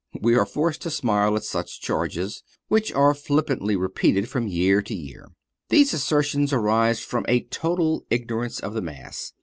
We are forced to smile at such charges, which are flippantly repeated from year to year. These assertions arise from a total ignorance of the Mass.